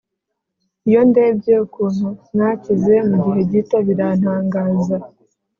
iyo ndebye ukuntu mwakize mugihe gito birantangaza